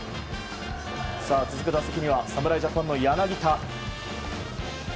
続く打席には侍ジャパンの柳田。